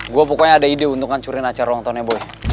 gue pokoknya ada ide untuk hancurin acara longtonnya boy